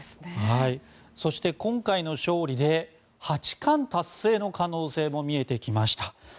そして、今回の勝利で八冠達成の可能性も見えてきました。